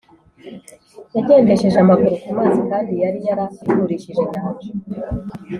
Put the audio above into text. yagendesheje amaguru ku mazi kandi yari yaraturishije inyanja